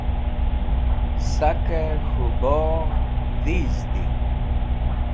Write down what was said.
sak'ey k̃hu bogh dhiz di